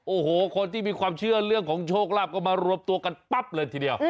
โอ้โหคนที่มีความเชื่อเรื่องของโชคลาภก็มารวมตัวกันปั๊บเลยทีเดียว